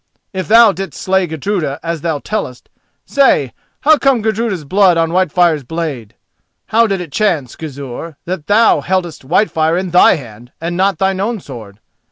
If thou didst slay Gudruda as thou tellest, say, how came Gudruda's blood on Whitefire's blade? How did it chance, Gizur, that thou heldest Whitefire in thy hand and not thine own sword?